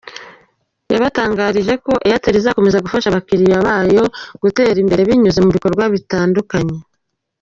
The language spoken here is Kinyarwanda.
Yabatangarije ko Airtel izakomeza gufasha abakiriya bayo gutera imbere binyuze mu bikorwa bitandukanye.